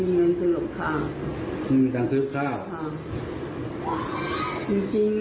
หนูไม่มีเงินซื้อกับข้าว